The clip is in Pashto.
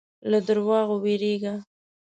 له دروغو وېرېږه.